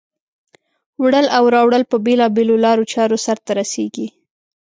وړل او راوړل په بېلا بېلو لارو چارو سرته رسیږي.